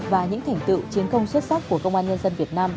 và những thành tựu chiến công xuất sắc của công an nhân dân việt nam